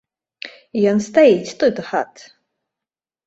Ён стаіць тут, гад.